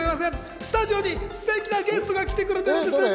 スタジオにすてきなゲストが来てくれています。